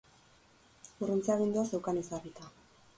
Urruntze agindua zeukan ezarrita.